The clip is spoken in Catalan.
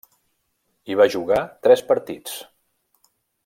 Hi va jugar tres partits.